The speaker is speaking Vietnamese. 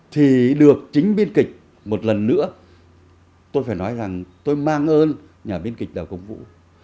thì được chính biên kịch một lần nữa tôi phải nói rằng tôi mang ơn nhà biên kịch đào công vũ